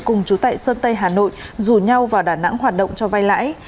cùng chú tại sơn tây hà nội rủ nhau vào đà nẵng hoạt động cho vai lãi